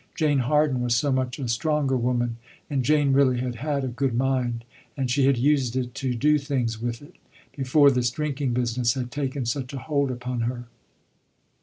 Jane Harden was so much a stronger woman, and Jane really had had a good mind, and she had used it to do things with it, before this drinking business had taken such a hold upon her.